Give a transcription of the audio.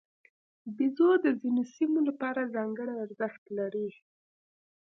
بیزو د ځینو سیمو لپاره ځانګړی ارزښت لري.